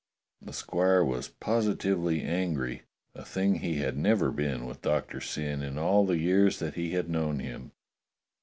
The squire was positively angry, a thing he had never been with Doctor Syn in all the years that he had known him.